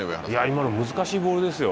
今の、難しいボールですよ。